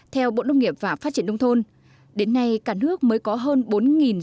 theo bộ nông nghiệp và phát triển nông thôn đến nay cả nước mới có hơn bốn doanh nghiệp